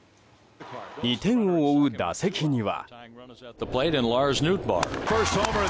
２点を追う打席には。